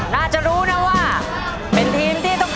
น่าจะรู้นะว่าเป็นทีมที่ต้อง